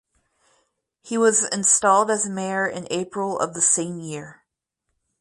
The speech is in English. He was installed as mayor in April of the same year.